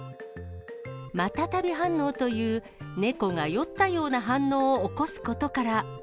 マタタビ反応という、猫が酔ったような反応を起こすことから。